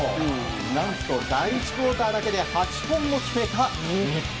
何と第１クオーターだけで８本も決めた日本。